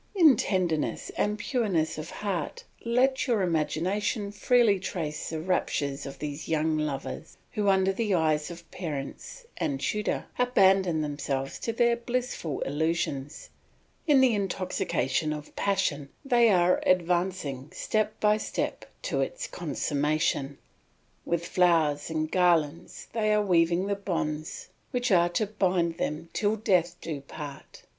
In tenderness and pureness of heart let your imagination freely trace the raptures of these young lovers, who under the eyes of parents and tutor, abandon themselves to their blissful illusions; in the intoxication of passion they are advancing step by step to its consummation; with flowers and garlands they are weaving the bonds which are to bind them till death do part.